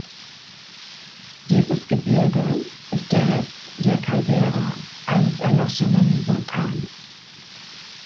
Dieses Gebirge ist der Rest der Caldera, eines erloschenen Vulkans.